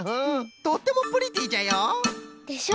とってもプリティーじゃよ！でしょ？